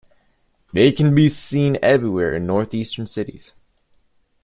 They can be seen everywhere in northeastern cities.